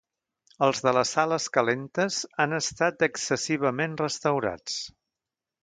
Els de les sales calentes han estat excessivament restaurats.